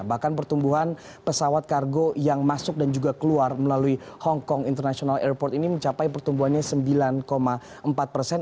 bahkan pertumbuhan pesawat kargo yang masuk dan juga keluar melalui hongkong international airport ini mencapai pertumbuhannya sembilan empat persen